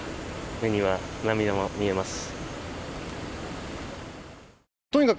目には涙も見えます。